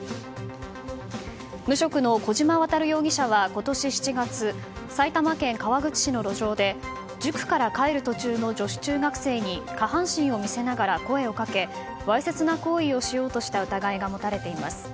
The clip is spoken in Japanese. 無職の小島渉容疑者は今年７月、埼玉県川口市の路上で塾から帰る途中の女子中学生に下半身を見せながら声をかけわいせつな行為をしようとした疑いが持たれています。